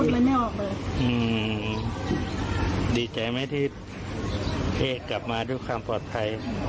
ไม่ออกเลยอืมดีใจไหมที่เอกกลับมาทุกคำปลอดภัย